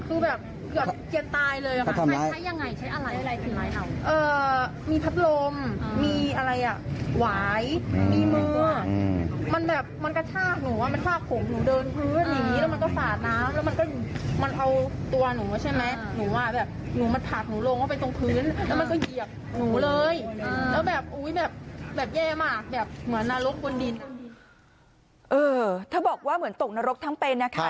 คือแบบว่าเหมือนตกนรกทั้งเป็นนะคะ